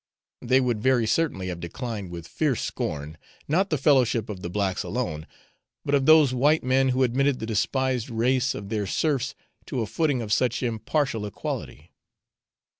they would very certainly have declined with fierce scorn, not the fellowship of the blacks alone, but of those white men who admitted the despised race of their serfs to a footing of such impartial equality.